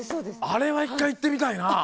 あれは一回行ってみたいな！